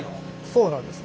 そうなんです。